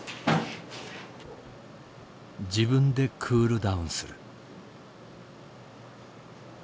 自分でクールダウンする。